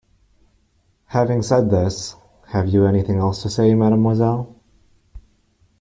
Having said this, have you anything else to say, mademoiselle?